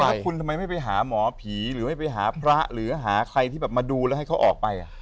ถ้าคุณทำไมไม่ไปหาหมอผีหรือไม่ไปหาพระหรือหาใครที่แบบมาดูแล้วให้เขาออกไป